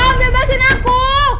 ah bebasin aku